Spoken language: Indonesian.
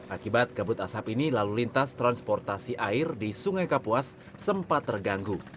akibat kabut asap ini lalu lintas transportasi air di sungai kapuas sempat terganggu